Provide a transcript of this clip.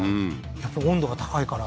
やっぱり温度が高いから？